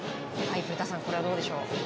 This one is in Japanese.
古田さん、これはどうでしょう。